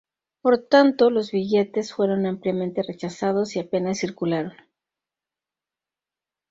Por tanto, los billetes fueron ampliamente rechazados y apenas circularon.